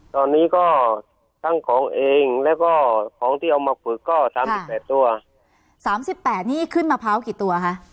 ตอนนี้ก็ทั้งของเองแล้วก็ของที่เอามาฝึกก็สามสิบแปดตัวสามสิบแปดนี่ขึ้นมะพร้าวกี่ตัวคะ